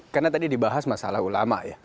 karena tadi dibahas masalah ulama ya